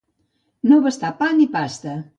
No bastar pa ni pasta.